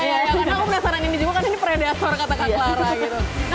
iya karena aku penasaran ini juga kan ini predator kata kak clara gitu